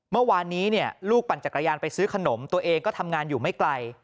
เมื่อวานนี้ลูกปั่นจักรยานไปซื้อขนมตัวเองก็ทำงานอยู่ไม่ไกล